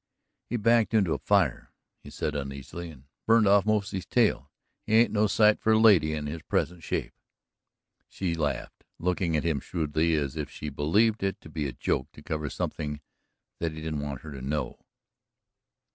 "He backed into a fire," said he uneasily, "and burned off most of his tail. He's no sight for a lady in his present shape." She laughed, looking at him shrewdly, as if she believed it to be a joke to cover something that he didn't want her to know.